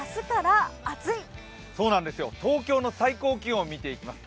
東京の最高気温を見ていきます。